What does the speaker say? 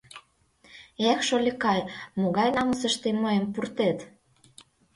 Эх, шольыкай, могай намысыш тый мыйым пуртет?